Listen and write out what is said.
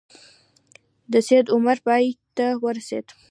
د سید عمر پای ته ورسېد.